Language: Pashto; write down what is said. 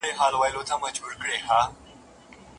پر اولادونو باندي ښکلي او شرعي نومونه ايښوول سنت عمل دی.